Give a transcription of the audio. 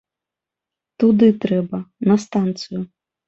Туды трэба, на станцыю.